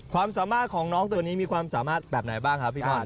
ความสามารถของน้องตัวนี้มีความสามารถแบบไหนบ้างครับพี่ก่อน